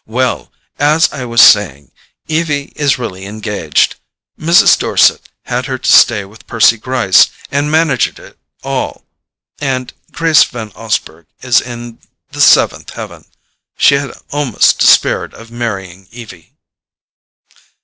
Well, as I was saying, Evie is really engaged: Mrs. Dorset had her to stay with Percy Gryce, and managed it all, and Grace Van Osburgh is in the seventh heaven—she had almost despaired of marrying Evie."